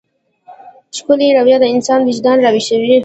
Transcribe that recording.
ښکلې رويه د انسان وجدان راويښوي.